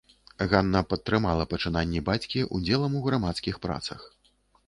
Ганна падтрымала пачынанні бацькі ўдзелам у грамадскіх працах.